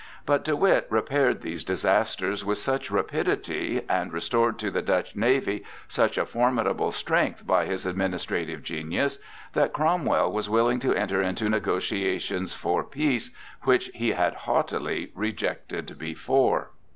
But De Witt repaired these disasters with such rapidity, and restored to the Dutch navy such a formidable strength by his administrative genius, that Cromwell was willing to enter into negotiations for peace, which he had haughtily rejected before.